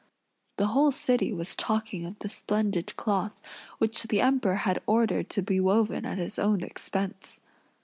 The whole city was talking of the splendid cloth which the Emperor had ordered to be woven at his own expense.